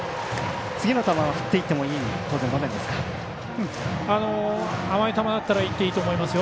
次の球は振っていってもいい場面ですか。